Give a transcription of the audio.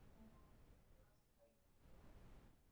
Se trata de una obra breve, básica y esquemática.